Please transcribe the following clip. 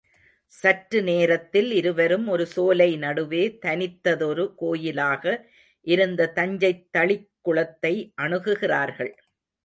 சற்று நேரத்தில் இருவரும் ஒரு சோலை நடுவே தனித்ததொரு கோயிலாக இருந்த தஞ்சைத் தளிக் குளத்தை அணுகுகிறார்கள்.